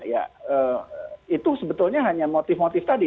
ya itu sebetulnya hanya motif motif tadi